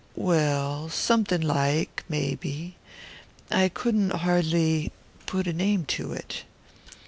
"Well somethin' like, maybe. I couldn't hardly put a name to it."